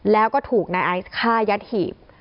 แล้วก็ถูกนายไอซ์ฆ่ายัดหีบ